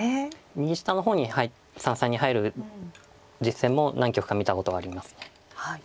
右下の方に三々に入る実戦も何局か見たことがあります。